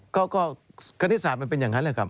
ก็คณิตศาสตร์มันเป็นอย่างนั้นแหละครับ